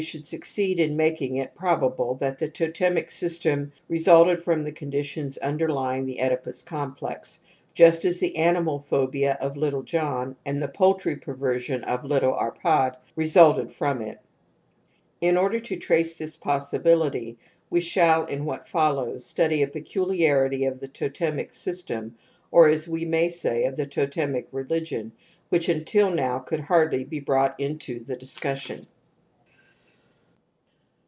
4 \ 220 TOTEM AND TABOO probable that t he totemic system resiilted from th e conditions underlying the Oedipus complex, just as the animal phobia of ' little John ' and the poultry perversion of * little Arpdd ' resulted from it. In order to trace this possibility we shall in what follows study a peculiarity of the totemic system or, as we may say, of the totemic religion, which until now could hardly be brought into the discussion.